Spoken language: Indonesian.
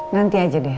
nanti aja deh